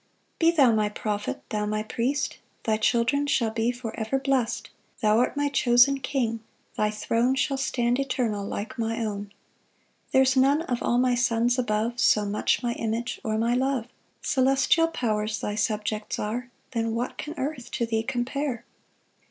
3 "Be thou my prophet, thou my priest; "Thy children shall be ever blest; "Thou art my chosen king; thy throne "Shall stand eternal like my own. 4 "There's none of all my sons above, "So much my image or my love; "Celestial powers thy subjects are, "Then what can earth to thee compare?